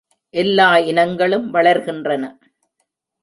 எல்லா இனங்களும் வளர்கின்றன.